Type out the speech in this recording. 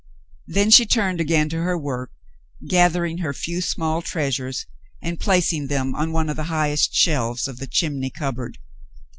Then she turned again to her work, gathering her few small treasures and placing them on one of the highest shelves of the chimney cupboard.